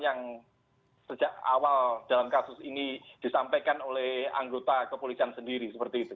yang sejak awal dalam kasus ini disampaikan oleh anggota kepolisian sendiri seperti itu